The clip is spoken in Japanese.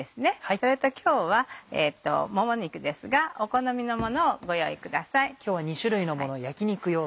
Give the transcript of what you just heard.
それと今日はもも肉ですがお好みのものをご用意ください。